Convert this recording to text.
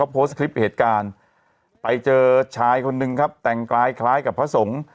ไปเจอชายคนนึงครับแต่งกลายคล้ายกับพระสงฆ์